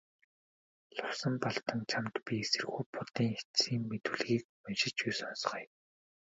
Лувсанбалдан чамд би эсэргүү Будын эцсийн мэдүүлгийг уншиж сонсгоё.